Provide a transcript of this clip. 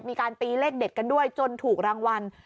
มีการตีเลขเด็ดกันด้วยจนถูกรางวัล